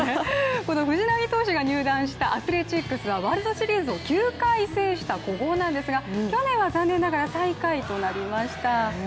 この藤浪投手が入団したアスレチックスはワールドシリーズを９回制した古豪なんですが去年は残念ながら最下位となりました。